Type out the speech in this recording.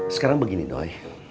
sekarang begini doi